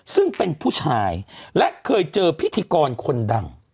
ซึ่งเป็นผู้ชายและเคยเจอพิธีกรคนดัง